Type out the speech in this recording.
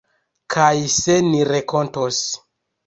Kaj se ni renkontos.